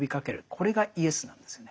これがイエスなんですよね。